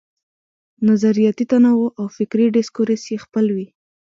نظریاتي تنوع او فکري ډسکورس یې خپل وي.